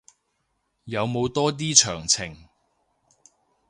有冇多啲詳情